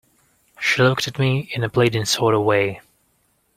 She looked at me in a pleading sort of way.